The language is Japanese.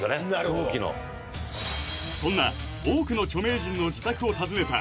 同期のなるほどそんな多くの著名人の自宅を訪ねた